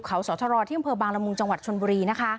เขาสตถี่กระโปรบาลมวงจังหวัดชลบุรี